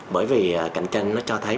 bởi vì cạnh tranh nó cho thấy